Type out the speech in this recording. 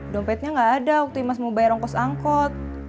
dompetnya gak ada waktu imas mau bayar rongkos angkot